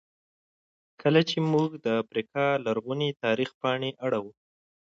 کله چې موږ د افریقا لرغوني تاریخ پاڼې اړوو.